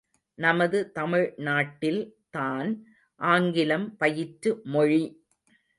நமது தமிழ் நாட்டில் தான் ஆங்கிலம் பயிற்று மொழி!